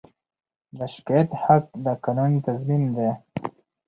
د شکایت حق د قانون تضمین دی.